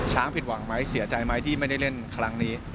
ผิดหวังไหมเสียใจไหมที่ไม่ได้เล่นครั้งนี้